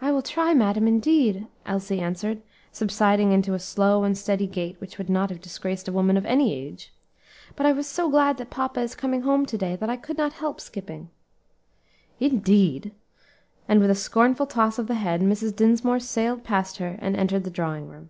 "I will try, madam, indeed," Elsie answered, subsiding into a slow and steady gait which would not have disgraced a woman of any age; "but I was so glad that papa is coming home to day, that I could not help skipping." "Indeed!" and with a scornful toss of the head, Mrs. Dinsmore sailed past her and entered the drawing room.